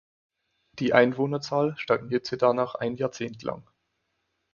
Die Einwohnerzahl stagnierte danach ein Jahrzehnt lang.